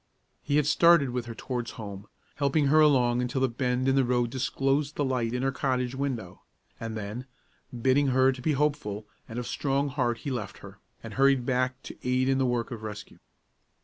He had started with her towards home, helping her along until the bend in the road disclosed the light in her cottage window; and then, bidding her to be hopeful, and of strong heart, he left her, and hurried back to aid in the work of rescue.